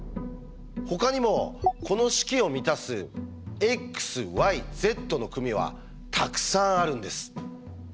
ほかにもこの式を満たす「ｘｙｚの組」はたくさんあるんです。